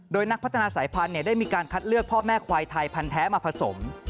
โดยนักพัฒนาสายพันธุ์ได้มีการคัดเลือกพ่อแม่ควายไทยพันธ์แท้มาผสม